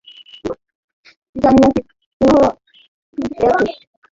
জানিনা কিভাবে, কিন্তু পেরেছিস।